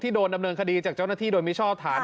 โดนดำเนินคดีจากเจ้าหน้าที่โดยมิชอบฐาน